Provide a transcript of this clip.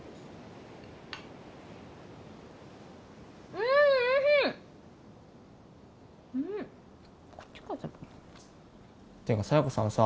うんおいしいうんていうか佐弥子さんさ